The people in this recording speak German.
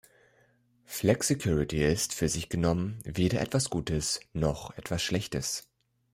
Flexicurity ist, für sich genommen, weder etwas Gutes noch etwas Schlechtes.